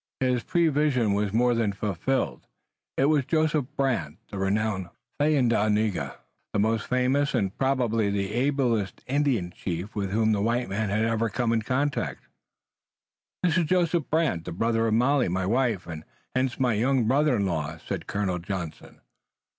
His prevision was more than fulfilled. It was Joseph Brant, the renowned Thayendanegea, the most famous and probably the ablest Indian chief with whom the white men ever came into contact. "This is Joseph Brant, the brother of Molly, my wife, and hence my young brother in law," said Colonel Johnson.